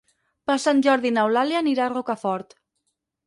Per Sant Jordi n'Eulàlia anirà a Rocafort.